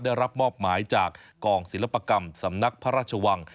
ได้รับมอบหมายจากกองศิลปกรรมสำนักพระราชวัง